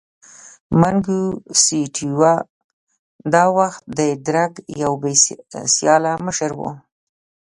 منګیسټیو دا وخت د درګ یو بې سیاله مشر و.